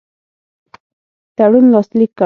تړون لاسلیک کړ.